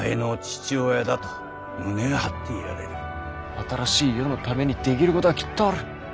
新しい世のためにできることはきっとある。